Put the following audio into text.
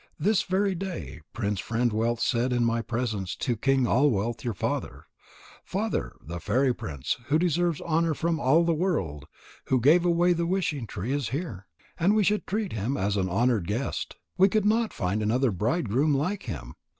This very day Prince Friend wealth said in my presence to King All wealth, your father: Father, the fairy prince, who deserves honour from all the world, who gave away the wishing tree, is here, and we should treat him as an honoured guest. We could not find another bridegroom like him.